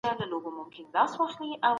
ډیپلوماټان د فردي حقونو په اړه څه وایي؟